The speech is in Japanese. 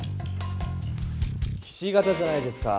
ひし形じゃないですか。